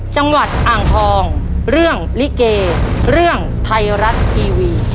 จังหวัดอ่างทองเรื่องลิเกเรื่องไทยรัฐทีวี